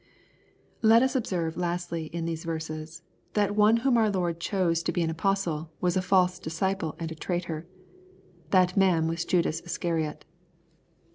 . LUKE, CHAP. VI. 173 Let US observe, lastly, in these verses, that one whom our Lord chose to he an apostle, was a false disciple and a traitor. That man was Judas Iscariot.